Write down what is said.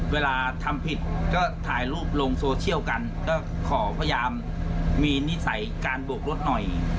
เวลาทำผิดก็ถ่ายรูปลงโซเชียลกันก็ขอพยายามมีนิสัยการโบกรถหน่อย